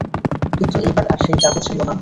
কিন্তু, এইবার আর সেই যাদু ছিল না।